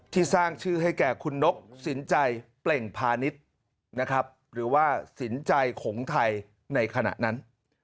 สร้างชื่อให้แก่คุณนกสินใจเปล่งพาณิชย์นะครับหรือว่าสินใจของไทยในขณะนั้น